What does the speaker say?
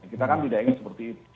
kita kan tidak ingin seperti itu